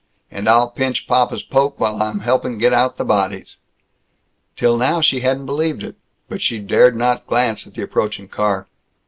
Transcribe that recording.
And I'll pinch papa's poke while I'm helping get out the bodies!" Till now she hadn't believed it. But she dared not glance at the approaching car.